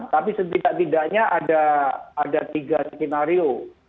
tapi setidak tidaknya ada tiga skenario